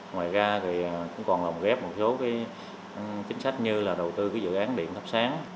ngoài ra còn làm ghép một số chính sách như đầu tư dự án điện thấp sáng